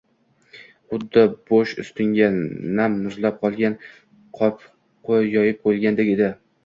Xuddi bosh ustingga nam, muzlab qolgan qop yoyib qoʻyilgandek edi.